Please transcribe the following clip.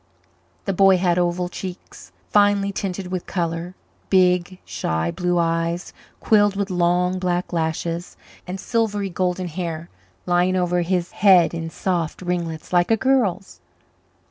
The boy had oval cheeks, finely tinted with colour, big, shy blue eyes quilled about with long black lashes, and silvery golden hair lying over his head in soft ringlets like a girl's.